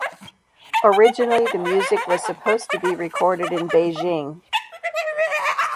Originally the music was supposed to be recorded in Beijing.